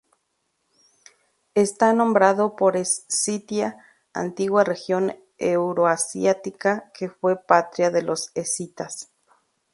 Está nombrado por Escitia, antigua región euroasiática que fue patria de los escitas.